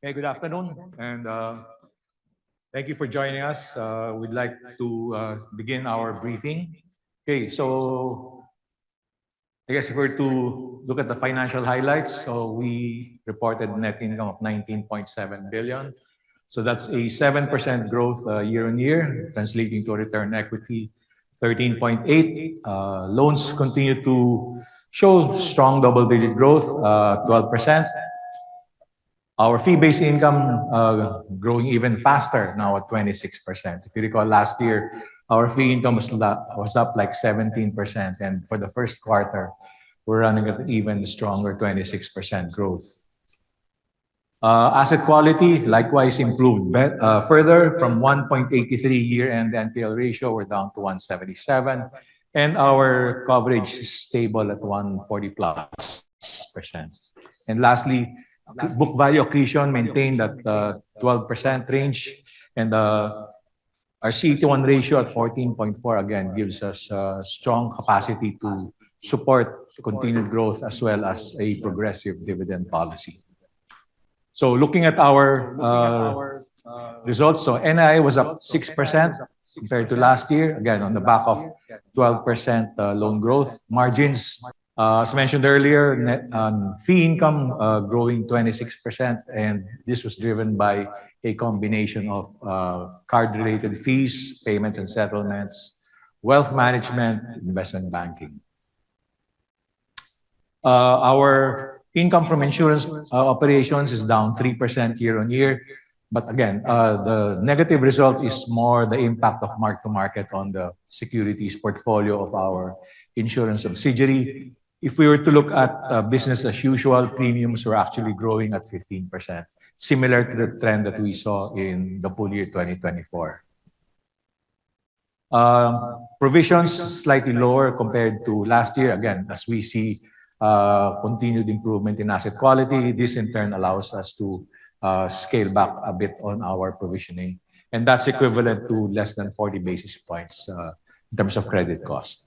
Good afternoon, and thank you for joining us. We would like to begin our briefing. If we are to look at the financial highlights, we reported net income of 19.7 billion. That is a 7% growth year-on-year, translating to a return equity 13.8%. Loans continue to show strong double-digit growth, 12%. Our fee-based income growing even faster now at 26%. If you recall last year, our fee income was up 17%, and for the first quarter, we are running at even stronger, 26% growth. Asset quality likewise improved further from 1.83% year-end NPL ratio, we are down to 1.77%, and our coverage is stable at 140+%. Lastly, book value accretion maintained at the 12% range, and our CET1 ratio at 14.4% again gives us a strong capacity to support continued growth as well as a progressive dividend policy. Looking at our results. NII was up 6% compared to last year, again, on the back of 12% loan growth. Margins, as mentioned earlier, fee income growing 26%, and this was driven by a combination of card-related fees, payments and settlements, wealth management, investment banking. Our income from insurance operations is down 3% year-on-year. The negative result is more the impact of mark to market on the securities portfolio of our insurance subsidiary. If we were to look at business as usual, premiums were actually growing at 15%, similar to the trend that we saw in the full year 2024. Provisions, slightly lower compared to last year. Again, as we see continued improvement in asset quality, this in turn allows us to scale back a bit on our provisioning, and that is equivalent to less than 40 basis points in terms of credit costs.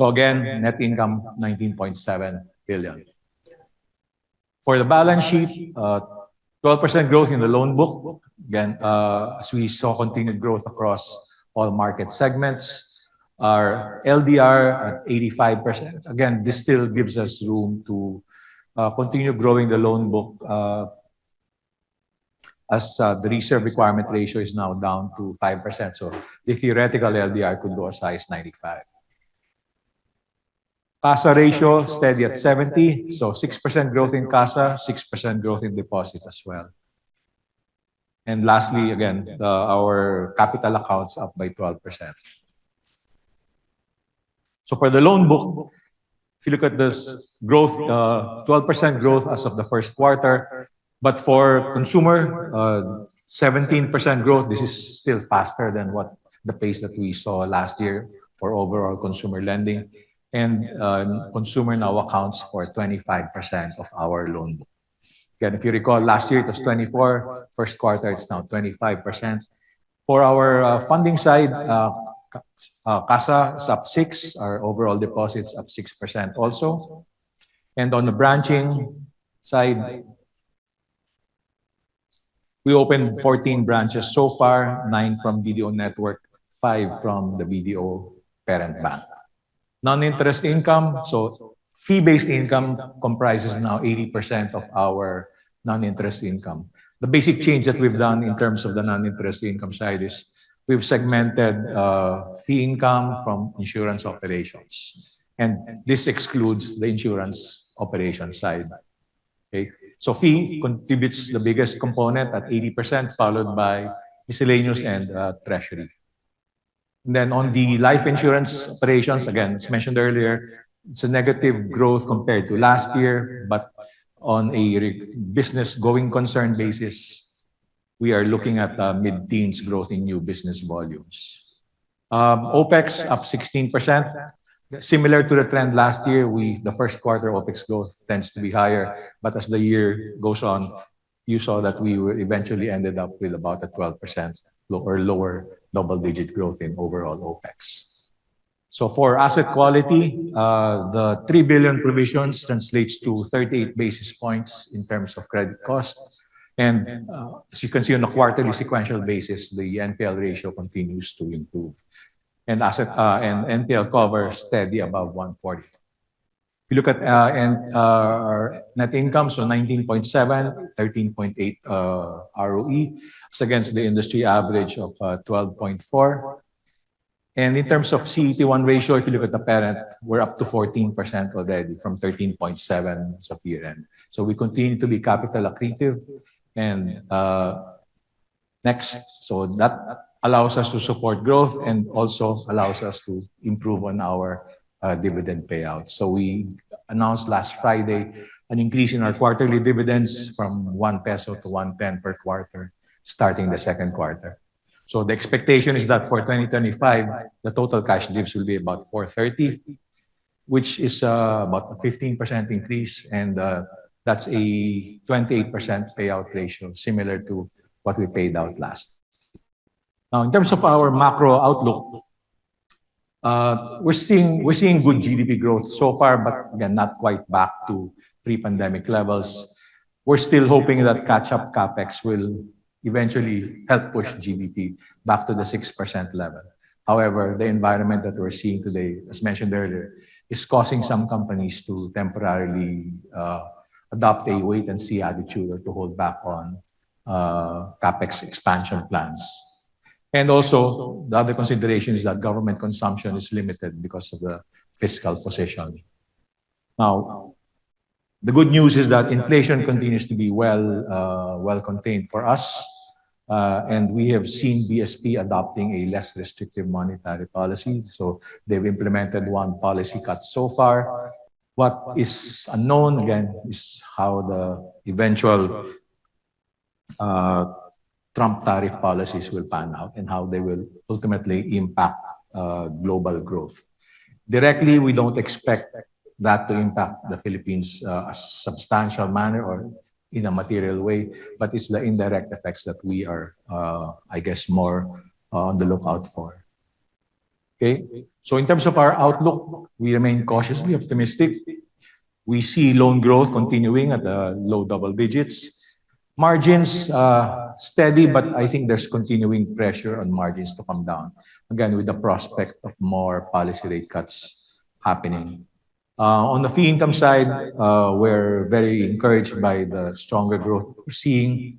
Again, net income, 19.7 billion. For the balance sheet, 12% growth in the loan book. Again, as we saw, continued growth across all market segments. Our LDR at 85%. Again, this still gives us room to continue growing the loan book as the reserve requirement ratio is now down to 5%. The theoretical LDR could go as high as 95%. CASA ratio steady at 70%, 6% growth in CASA, 6% growth in deposits as well. Lastly, again, our capital accounts up by 12%. For the loan book, if you look at this growth, 12% growth as of the first quarter. For consumer, 17% growth. This is still faster than the pace that we saw last year for overall consumer lending. Consumer now accounts for 25% of our loan book. Again, if you recall last year, it was 24%. First quarter is now 25%. For our funding side, CASA is up 6%. Our overall deposit is up 6% also. On the branching side, we opened 14 branches so far, nine from BDO Network Bank, five from the BDO parent bank. Non-interest income. Fee-based income comprises now 80% of our non-interest income. The basic change that we have done in terms of the non-interest income side is we have segmented fee income from insurance operations, and this excludes the insurance operations side. Fee contributes the biggest component at 80%, followed by miscellaneous and treasury. On the life insurance operations, again, as mentioned earlier, it is a negative growth compared to last year, but on a business going concern basis, we are looking at mid-teens growth in new business volumes. OPEX up 16%, similar to the trend last year. The first quarter OPEX growth tends to be higher, but as the year goes on, you saw that we eventually ended up with about a 12% or lower double-digit growth in overall OPEX. For asset quality, the 3 billion provisions translates to 38 basis points in terms of credit cost. As you can see on a quarterly sequential basis, the NPL ratio continues to improve and NPL cover steady above 140. If you look at our net income, 19.7, 13.8% ROE. It is against the industry average of 12.4%. In terms of CET1 ratio, if you look at the parent, we are up to 14% already from 13.7% as of year-end. We continue to be capital accretive. Next. That allows us to support growth and also allows us to improve on our dividend payout. We announced last Friday an increase in our quarterly dividends from 1 peso to 1.10 per quarter starting the second quarter. The expectation is that for 2025, the total cash divs will be about 4.30, which is about a 15% increase, and that is a 28% payout ratio, similar to what we paid out last. In terms of our macro outlook, we are seeing good GDP growth so far, but again, not quite back to pre-pandemic levels. We are still hoping that catch-up CapEx will eventually help push GDP back to the 6% level. However, the environment that we are seeing today, as mentioned earlier, is causing some companies to temporarily adopt a wait-and-see attitude or to hold back on CapEx expansion plans. Also, the other consideration is that government consumption is limited because of the fiscal position. Now, the good news is that inflation continues to be well contained for us. We have seen BSP adopting a less restrictive monetary policy. They have implemented one policy cut so far. What is unknown, again, is how the eventual Trump tariff policies will pan out and how they will ultimately impact global growth. Directly, we do not expect that to impact the Philippines a substantial manner or in a material way, but it is the indirect effects that we are, I guess, more on the lookout for. Okay. In terms of our outlook, we remain cautiously optimistic. We see loan growth continuing at the low double digits. Margins are steady, but I think there is continuing pressure on margins to come down, again, with the prospect of more policy rate cuts happening. On the fee income side, we are very encouraged by the stronger growth we are seeing.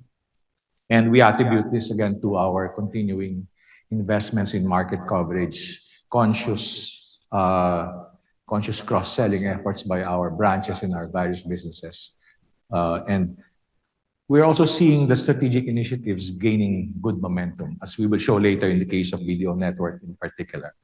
We attribute this again to our continuing investments in market coverage, conscious cross-selling efforts by our branches in our various businesses. We are also seeing the strategic initiatives gaining good momentum, as we will show later in the case of BDO Network, in particular.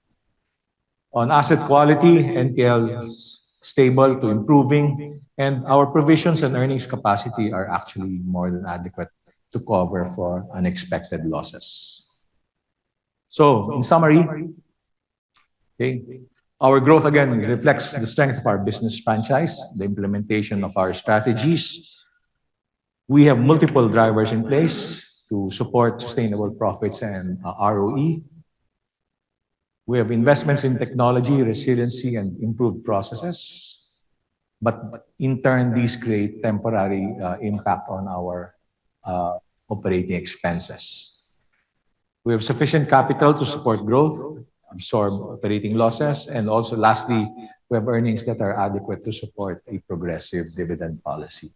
On asset quality, NPL is stable to improving, and our provisions and earnings capacity are actually more than adequate to cover for unexpected losses. In summary, our growth again reflects the strength of our business franchise, the implementation of our strategies. We have multiple drivers in place to support sustainable profits and ROE. We have investments in technology, resiliency, and improved processes. In turn, these create temporary impact on our operating expenses. We have sufficient capital to support growth, absorb operating losses, and also lastly, we have earnings that are adequate to support a progressive dividend policy.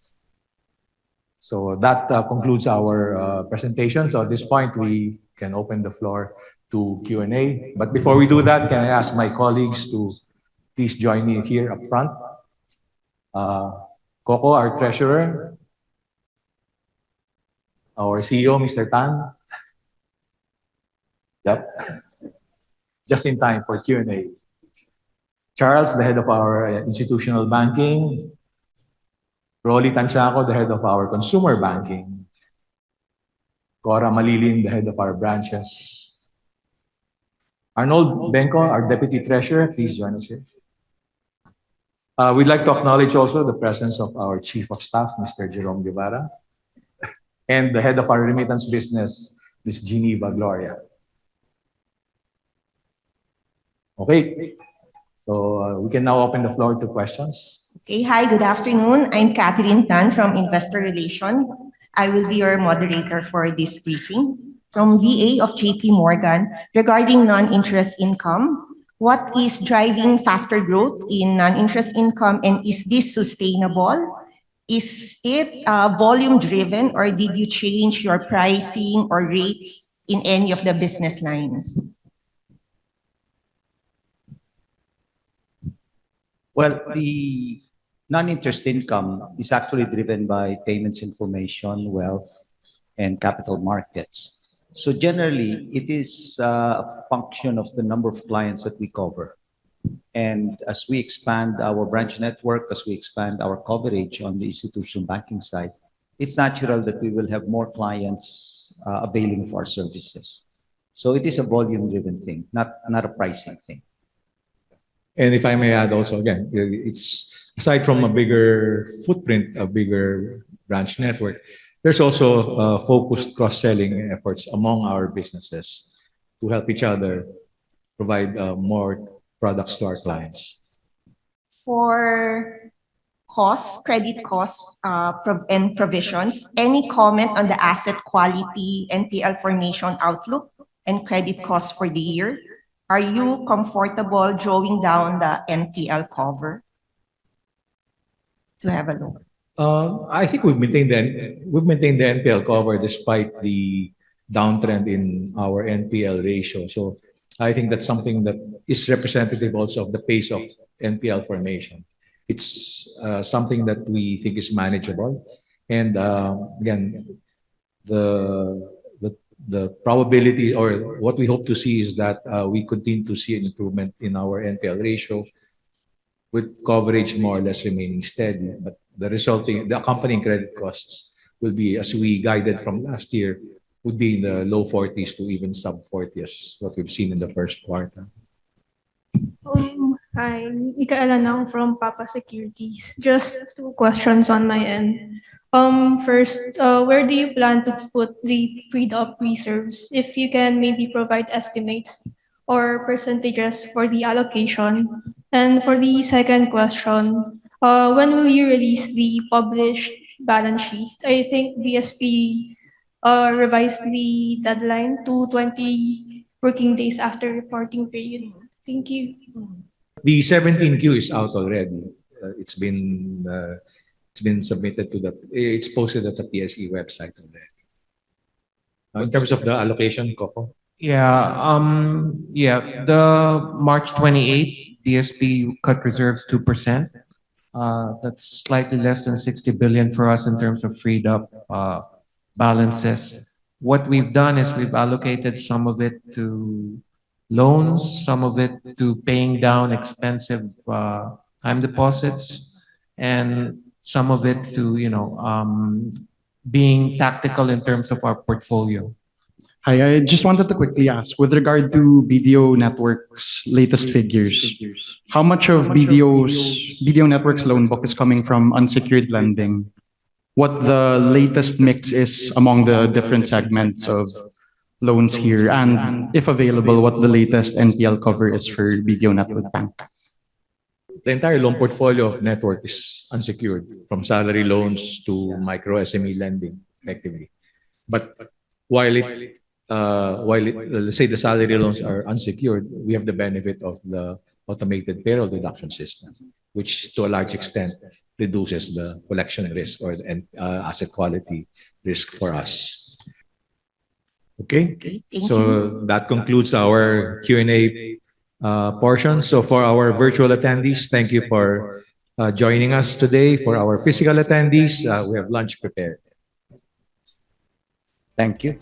That concludes our presentation. At this point, we can open the floor to Q&A. Before we do that, can I ask my colleagues to please join me here up front? Coco, our treasurer. Our CEO, Mr. Tan. Just in time for Q&A. Charles, the head of our institutional banking. Rolly Tancioco, the head of our consumer banking. Cora Mallillin, the head of our branches. Arnold Bengco, our deputy treasurer, please join us here. We'd like to acknowledge also the presence of our chief of staff, Mr. Jerome Guevarra, and the head of our remittance business, Ms. Geneva Gloria. Okay. We can now open the floor to questions. Okay. Hi, good afternoon. I'm Catherine Tan from Investor Relation. I will be your moderator for this briefing. From VA of JPMorgan, regarding non-interest income, what is driving faster growth in non-interest income, and is this sustainable? Is it volume driven, or did you change your pricing or rates in any of the business lines? Well, the non-interest income is actually driven by payments information, wealth, and capital markets. Generally, it is a function of the number of clients that we cover. As we expand our branch network, as we expand our coverage on the institutional banking side, it's natural that we will have more clients availing of our services. It is a volume-driven thing, not a pricing thing. If I may add also, again, aside from a bigger footprint, a bigger branch network, there's also focused cross-selling efforts among our businesses to help each other provide more products to our clients. For credit costs and provisions, any comment on the asset quality NPL formation outlook and credit costs for the year? Are you comfortable drawing down the NPL cover to have a lower? I think we've maintained the NPL cover despite the downtrend in our NPL ratio. I think that's something that is representative also of the pace of NPL formation. It's something that we think is manageable. Again, the probability or what we hope to see is that we continue to see an improvement in our NPL ratio with coverage more or less remaining steady. The accompanying credit costs will be, as we guided from last year, would be in the low 40s to even sub-40s, what we've seen in the first quarter. Hi, Ika Elanon from Papa Securities. Just two questions on my end. First, where do you plan to put the freed-up reserves? If you can maybe provide estimates or percentages for the allocation. For the second question, when will you release the published balance sheet? I think BSP revised the deadline to 20 working days after reporting period. Thank you. The 17Q is out already. It's posted at the PSE website already. In terms of the allocation, Coco? Yeah. The March 28 BSP cut reserves 2%. That is slightly less than 60 billion for us in terms of freed-up balances. What we have done is we have allocated some of it to loans, some of it to paying down expensive time deposits, and some of it to being tactical in terms of our portfolio. Hi, I just wanted to quickly ask with regard to BDO Network's latest figures, how much of BDO Network's loan book is coming from unsecured lending? What the latest mix is among the different segments of loans here? If available, what the latest NPL cover is for BDO Network Bank? The entire loan portfolio of Network is unsecured, from salary loans to micro SME lending, effectively. While, let's say the salary loans are unsecured, we have the benefit of the automated payroll deduction system, which to a large extent, reduces the collection risk or asset quality risk for us. Okay? Okay. Thank you. That concludes our Q&A portion. For our virtual attendees, thank you for joining us today. For our physical attendees, we have lunch prepared. Thank you.